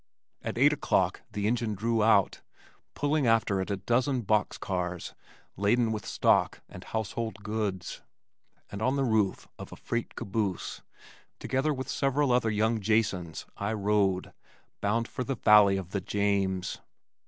At eight o'clock the engine drew out, pulling after it a dozen box cars laden with stock and household goods, and on the roof of a freight caboose, together with several other young Jasons, I rode, bound for the valley of the James.